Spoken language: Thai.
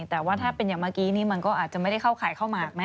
แต่ว่าถ้าเป็นอย่างเมื่อกี้นี่มันก็อาจจะไม่ได้เข้าขายข้าวหมากนะ